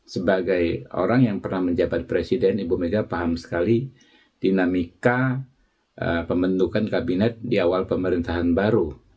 sebagai orang yang pernah menjabat presiden ibu mega paham sekali dinamika pembentukan kabinet di awal pemerintahan baru